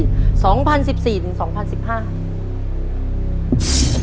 ตัวเลือกที่สอง๒๐๑๕